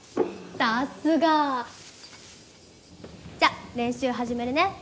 さすが。じゃあ練習始めるね。